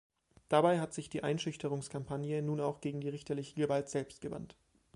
Dabei hat sich die Einschüchterungskampagne nun auch gegen die richterliche Gewalt selbst gewandt.